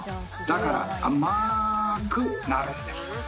だからあまくなるんです！